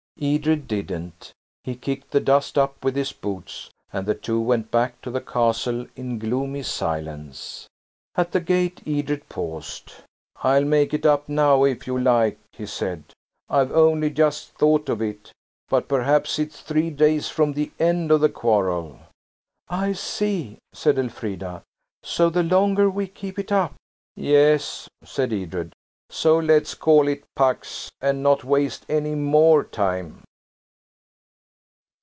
Edred didn't. He kicked the dust up with his boots, and the two went back to the Castle in gloomy silence. At the gate Edred paused. "I'll make it up now if you like," he said. "I've only just thought of it–but perhaps it's three days from the end of the quarrel." "I see," said Elfrida; "so the longer we keep it up–" "Yes," said Edred; "so let's call it Pax and not waste any more time."